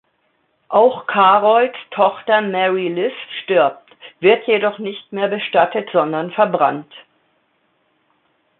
Auch Carols Tochter Mary Liz stirbt, wird jedoch nicht mehr bestattet, sondern verbrannt.